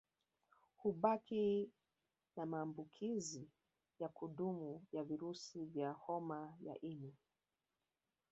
Hubaki na maambukizi ya kudumu ya virusi vya homa ya ini